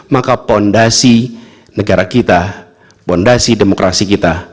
maka fondasi negara kita fondasi demokrasi kita